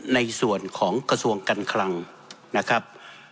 ในส่วนของกระทรวงการคลังนะครับ